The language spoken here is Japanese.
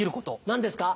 何ですか？